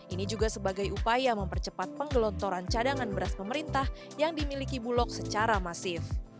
ini juga sebagai upaya mempercepat penggelontoran cadangan beras pemerintah yang dimiliki bulog secara masif